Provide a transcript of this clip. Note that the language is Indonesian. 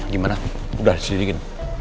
gimana udah diselidikin